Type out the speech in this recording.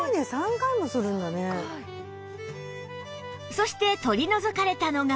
そして取り除かれたのが